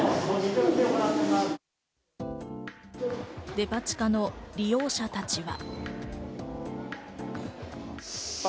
デパ地下の利用者たちは。